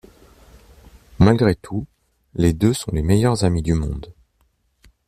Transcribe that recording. Malgré tout, les deux sont les meilleurs amis du monde.